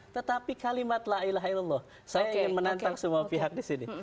tetapi kalimat la ilaha illah saya ingin menantang semua pihak di sini